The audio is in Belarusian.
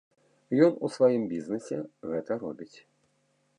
Ён у сваім бізнесе гэта робіць.